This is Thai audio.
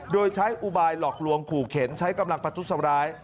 โดยใช้อุบายหลอกลวงขู่เข็นใช้กำลังประทุษร้าย